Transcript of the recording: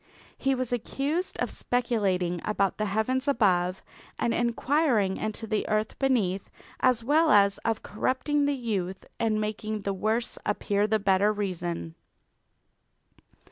He was accused of speculating about the heavens above and inquiring into the earth beneath as well as of corrupting the youth and making the worse appear the better reason.